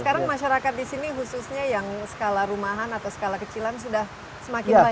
sekarang masyarakat di sini khususnya yang skala rumahan atau skala kecilan sudah semakin banyak